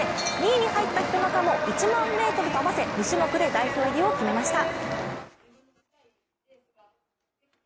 ２位に入った廣中も１００００ｍと合わせ、代表入りを決めました。